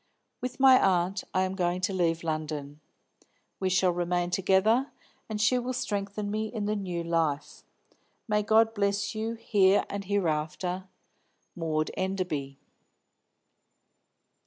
With my aunt I am going to leave London. We shall remain together, and she will strengthen me in the new life. May God bless you here and hereafter. MAUD ENDERBY."